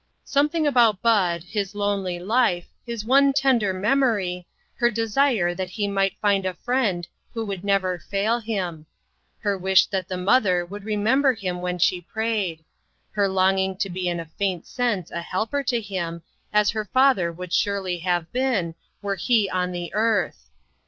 Something about Bud, his lonely life, his one tender memory, her desire that he might find a Friend who would never fail him ; her wish that the mother would remember him when she prayed ; her longing to be in a faint sense a helper to him, as her father would surely have been, were he on the earth.